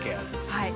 はい。